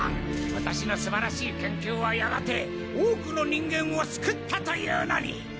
私の素晴らしい研究はやがて多くの人間を救ったというのに！